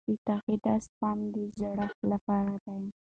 د تقاعد سپما د زړښت لپاره ده.